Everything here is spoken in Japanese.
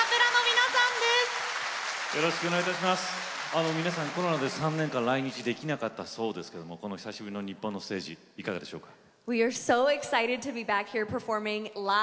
皆さんコロナで３年間来日できなかったそうですけどもこの久しぶりの日本のステージいかがでしょうか。